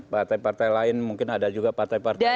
partai partai lain mungkin ada juga partai partai lain